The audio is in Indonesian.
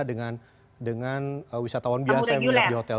dengan wisatawan biasa yang menginap di hotel